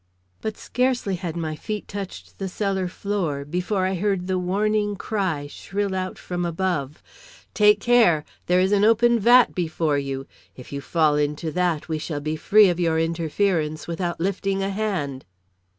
But, scarcely had my feet touched the cellar floor, before I heard the warning cry shrill out from above: "Take care! There is an open vat before you. If you fall into that, we shall be free of your interference without lifting a hand."